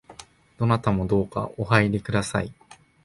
どなたもどうかお入りください